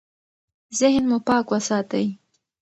ذهن مو پاک وساتئ.